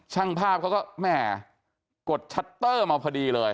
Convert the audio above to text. ช่างภาพเขาก็แม่กดชัตเตอร์มาพอดีเลย